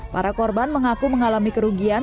para korban mengaku mengalami kerugian